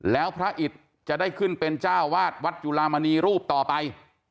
แล้วพระอิตจะได้ขึ้นเป็นเจ้าวาดวัดจุลามณีรูปต่อไป